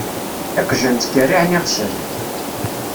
Iqjan ttkerriεen iɣsan.